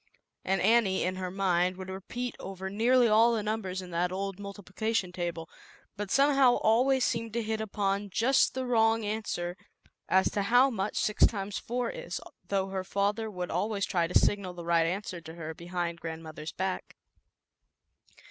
" And Annie, in her mind, would repeat over nearly all the numbers in that old multiplication table, but somehow always seem to hit upon just the wrong answer as to how much six times four is, though her father would always try to signal the right answer to her behind grandmother's back.